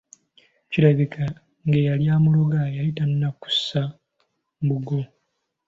Kirabika ng'eyali amuloga yali tannaba kussa mbugo.